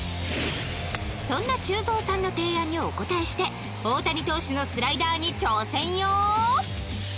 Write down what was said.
そんな修造さんの提案にお応えして大谷投手のスライダーに挑戦よ